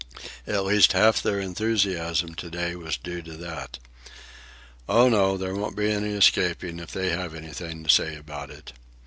At least half of their enthusiasm to day was due to that. Oh, no, there won't be any escaping if they have anything to say about it.